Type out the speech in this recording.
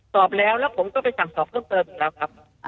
สอบแล้วแล้วผมก็ไปสั่งสอบเพิ่มเติมอีกแล้วครับ